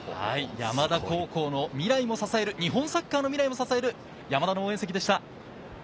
山田高校の未来も支える、日本サッカーの未来も支える山田の応援席でした。